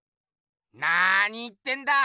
なーに言ってんだ！